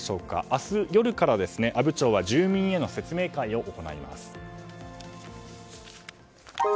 明日夜から阿武町は住民への説明会を行います。